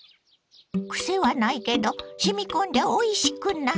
クセはないけどしみこんでおいしくなる。